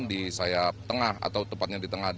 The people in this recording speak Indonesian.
di sayap tengah atau tepatnya di tengah